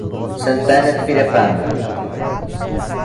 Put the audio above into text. Santana de Pirapama